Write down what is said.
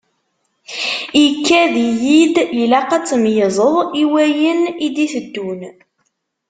Ikad-iyi-d ilaq ad tmeyyzeḍ i wayen i d-iteddun.